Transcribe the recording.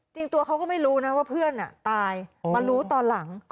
จริงตัวเขาก็ไม่รู้นะว่าเพื่อนตายมารู้ตอนหลัง